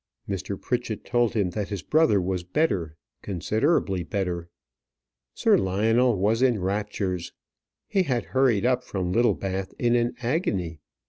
Mr. Pritchett told him that his brother was better considerably better. Sir Lionel was in raptures. He had hurried up from Littlebath in an agony.